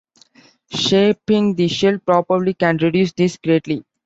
Shaping the shell properly can reduce this greatly.